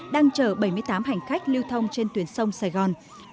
đang chở bảy mươi tám hành khách lưu thông trên tuyến sông sài gòn